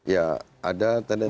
ya ada tendensi